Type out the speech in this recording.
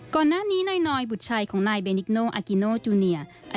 ก่อนหน้านี้หน่อยบุตรชายของนายเบนิกโนอากิโนจูเนีย